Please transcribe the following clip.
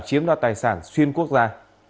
chiếm đoạt tài sản xuyên quốc gia